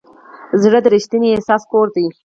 زړه د ریښتیني احساس کور دی.